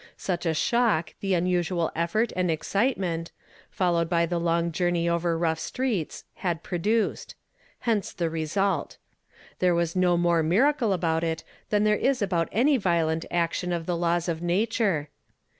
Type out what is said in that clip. Such a shock the unusual effort and excitement, followed by the long journey over rough streets, had produced; hence the result. There was no more miracle about it than there is about any violent action of the laws of nature.